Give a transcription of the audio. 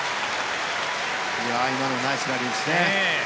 今のナイスラリーですね。